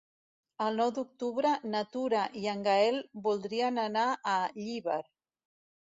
El nou d'octubre na Tura i en Gaël voldrien anar a Llíber.